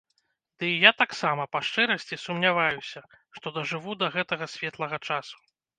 Дый я таксама, па шчырасці, сумняваюся, што дажыву да гэтага светлага часу.